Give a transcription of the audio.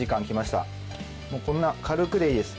もうこんな軽くでいいです